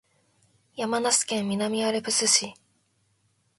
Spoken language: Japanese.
山梨県南アルプス市